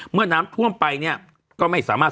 เมื่อน้ำท่วมไปเนี่ยก็ไม่สามารถ